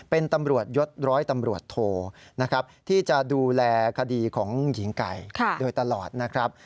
เป็นตำรวจยศร้อยตำรวจโทนะครับที่จะดูแลคดีของหญิงไก่โดยตลอดนะครับ